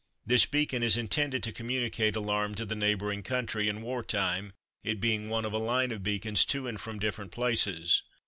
This beacon is intended to communicate alarm to the neighbouring country in war time, it being one of a line of beacons to and from different places.